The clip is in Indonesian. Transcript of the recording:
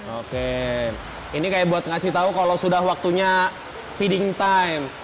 oke ini kayak buat ngasih tau kalau sudah waktunya feeding time